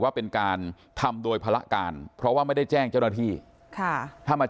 ว่าเป็นการทำโดยภาระการเพราะว่าไม่ได้แจ้งเจ้าหน้าที่ค่ะถ้ามา